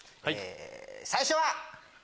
最初は。